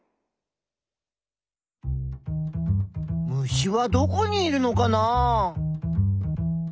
虫はどこにいるのかな？